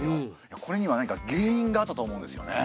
これには何か原因があったと思うんですよね。